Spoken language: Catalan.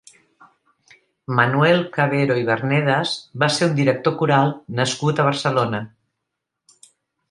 Manuel Cabero i Vernedas va ser un director coral nascut a Barcelona.